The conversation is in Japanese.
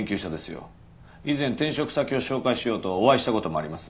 以前転職先を紹介しようとお会いした事もあります。